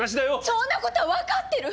そんなことは分かってる！